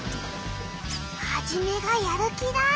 ハジメがやる気だ。